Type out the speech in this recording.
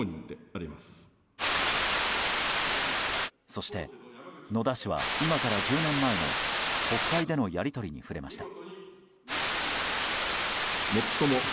そして、野田氏は今から１０年前の国会でのやり取りに触れました。